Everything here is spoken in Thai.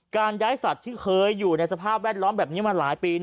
การย้ายสัตว์ที่เคยอยู่ในสภาพแวดล้อมแบบนี้มาหลายปี